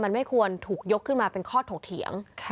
มันไม่ควรถูกยกขึ้นมาเป็นข้อถกเถียง